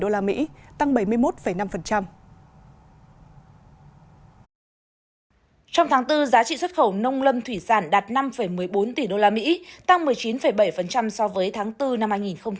trong tháng bốn giá trị xuất khẩu nông lâm thủy sản đạt năm một mươi bốn tỷ usd tăng một mươi chín bảy so với tháng bốn năm hai nghìn hai mươi